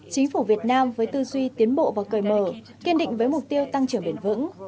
chính phủ việt nam với tư duy tiến bộ và cởi mở kiên định với mục tiêu tăng trưởng bền vững